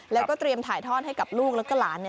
แล้วก็เตรียมถ่ายทอดให้กับลูกแล้วก็หลาน